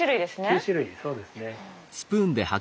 ９種類そうですね。